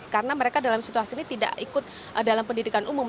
karena mereka dalam situasi ini tidak ikut dalam pendidikan umum